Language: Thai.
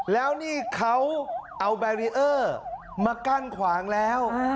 แล้วนี่เขาเอาแบรีเออร์มากั้นขวางแล้ว